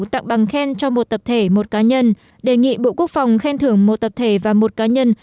tặng bằng khen cho một tập thể một cá nhân đề nghị bộ quốc phòng khen thưởng một tập thể và một cá nhân